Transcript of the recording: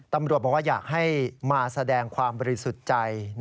ตำรวจบอกว่าอยากให้มาแสดงความบริสุทธิ์ใจ